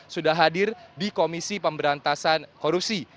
sudah hadir di komisi pemberantasan korupsi